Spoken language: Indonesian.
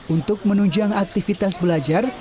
untuk menunjang aktivitas belajar